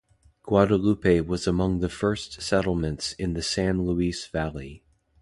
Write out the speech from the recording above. Guadalupe was among the first settlements in the San Luis Valley.